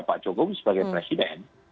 pak jokowi sebagai presiden